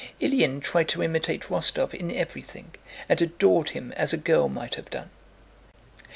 Ilyín tried to imitate Rostóv in everything and adored him as a girl might have done.